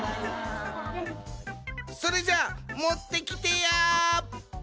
それじゃあもってきてや！